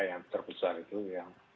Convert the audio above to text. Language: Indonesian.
yang terbesar itu yang